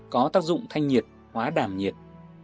có tác dụng thanh nhiệt hóa đàm nhiệt